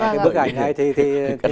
cái bức ảnh này thì